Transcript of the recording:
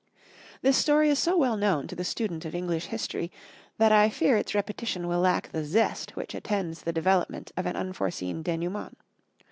This story is so well known to the student of English history that I fear its repetition will lack that zest which attends the development of an unforeseen denouement.